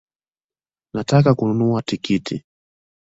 Nataka kununua tikiti